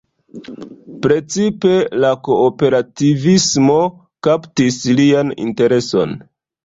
Precipe la kooperativismo kaptis lian intereson.